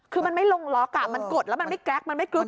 คือมันไม่ลงล็อกมันกดแล้วมันไม่แกร๊กมันไม่กลึ๊